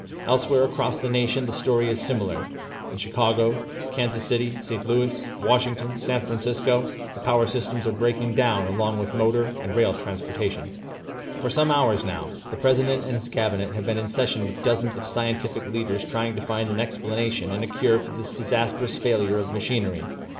Elsewhere, across the nation, the story is similar. In Chicago, Kansas City, St. Louis, Washington, San Francisco the power systems are breaking down along with motor and rail transportation. "For some hours now, the President and his Cabinet have been in session with dozens of scientific leaders trying to find an explanation and a cure for this disastrous failure of machinery.